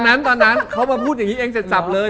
ตอนนั้นตอนนั้นเขามาพูดอย่างนี้เองเสร็จสับเลย